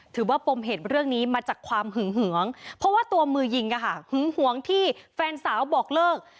ปมเหตุเรื่องนี้มาจากความหึงหวงเพราะว่าตัวมือยิงหึงหวงที่แฟนสาวบอกเลิก